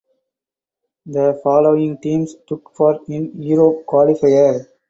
The following teams took part in Europe qualifier.